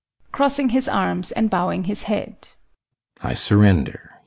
[Crossing his arms and bowing his head] I surrender.